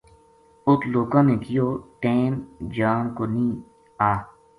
اُت لوکاں نے کہیو ٹیم جان کو نیہہ اِ